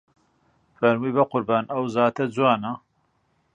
فەرمووی بە قوربان ئەو زاتە جوانە